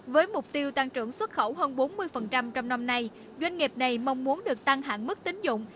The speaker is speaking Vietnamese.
với mục tiêu tăng trưởng xuất khẩu hơn bốn mươi trong năm nay doanh nghiệp này mong muốn được tăng hạng mức tính dụng